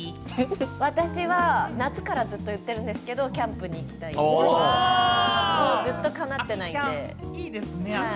私は夏からずっと言ってるんですけれど、キャンプに行きたい、ずっと叶ってないんで。